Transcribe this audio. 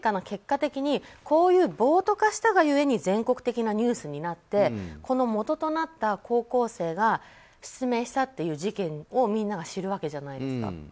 結果的にこういう暴徒化したがゆえに全国的なニュースになってこの元となった高校生が失明したという事件をみんなが知るわけじゃないですか。